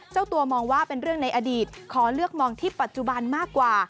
เจ้าตัวมองว่าเป็นเรื่องในอดีตขอเลือกมองที่ปัจจุบันมากกว่า